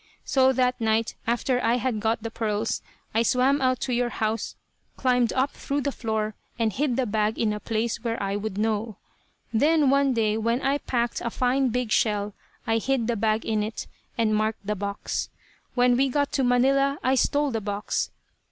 So that night, after I had got the pearls, I swam out to your house, climbed up through the floor, and hid the bag in a place where I would know. Then, one day, when I packed a fine big shell, I hid the bag in it, and marked the box. When we got to Manila I stole the box.